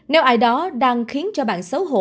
nếu ai đó đang khiến cho bạn xấu hổ